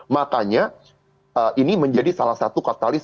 makanya ini menjadi salah satu katalis